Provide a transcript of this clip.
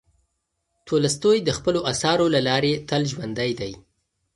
تولستوی د خپلو اثارو له لارې تل ژوندی دی.